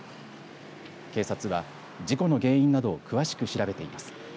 警察は事故の原因などを詳しく調べています。